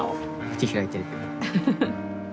口開いてるけど。